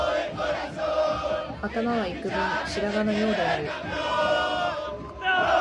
頭はいくぶん白髪のようである